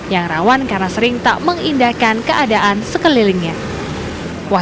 yang rawan karena sering tak mengindahkan keadaan sekelilingnya